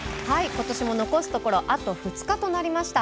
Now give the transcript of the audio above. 今年も残すところあと２日となりました。